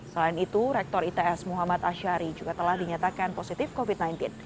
selain itu rektor its muhammad ashari juga telah dinyatakan positif covid sembilan belas